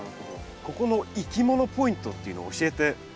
ここのいきものポイントっていうのを教えてもらえますか？